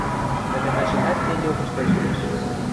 Ӹлӹмӓшӹмӓт тенгеок ӹштӓш лиэш.